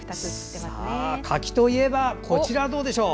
柿といえばこちらはどうでしょう？